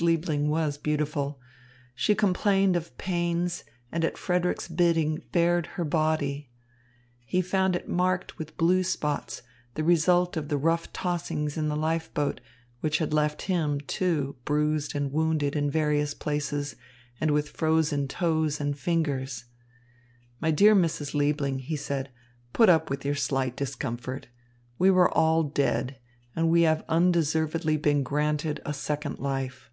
Liebling was beautiful. She complained of pains, and at Frederick's bidding bared her body. He found it marked with blue spots, the result of the rough tossings in the life boat, which had left him, too, bruised and wounded in various places and with frozen toes and fingers. "My dear Mrs. Liebling," he said, "put up with your slight discomfort. We were all dead, and we have undeservedly been granted a second life."